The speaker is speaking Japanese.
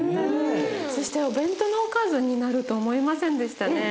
そしてお弁当のおかずになると思いませんでしたね。